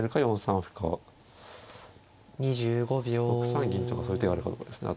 ６三銀とかそういう手があるかどうかですね